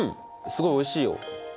すごいおいしいよ。